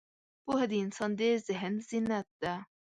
پوهه د انسان د ذهن زینت ده.